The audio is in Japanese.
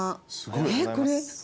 えっこれ。